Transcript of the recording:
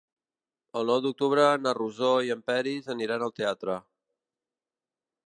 El nou d'octubre na Rosó i en Peris aniran al teatre.